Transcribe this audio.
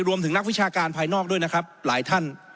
นักวิชาการภายนอกด้วยนะครับหลายท่าน